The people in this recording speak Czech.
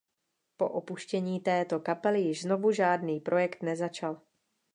Po opuštění této kapely již znovu žádný projekt nezačal.